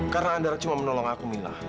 karena anda cuma menolong aku mila